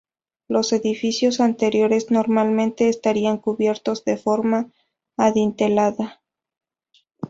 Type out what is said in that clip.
Los edificios anteriores normalmente estarían cubiertos de forma adintelada.